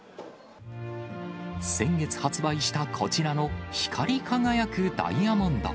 先月発売したこちらの光り輝くダイヤモンド。